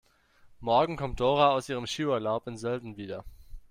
Morgen kommt Dora aus ihrem Skiurlaub in Sölden wieder.